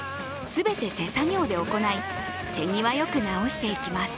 全て手作業で行い手際よく直していきます。